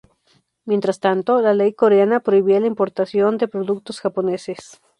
Mientras tanto, la ley coreana prohibía la importación de productos japoneses.